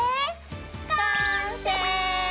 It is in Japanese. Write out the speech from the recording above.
完成！